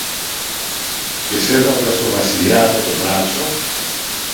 Και σέρνοντας το Βασιλιά από το μπράτσο